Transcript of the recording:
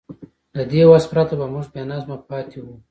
له دې وس پرته به موږ بېنظمه پاتې وو.